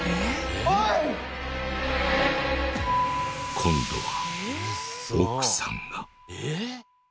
今度は奥さんが。